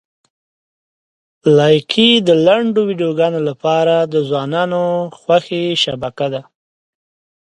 لایکي د لنډو ویډیوګانو لپاره د ځوانانو خوښې شبکه ده.